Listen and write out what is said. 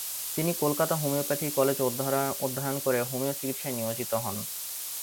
তিনি কলকাতা হোমিওপ্যাথি কলেজে অধ্যয়ন করে হোমিও চিকিৎসায় নিয়োজিত হন।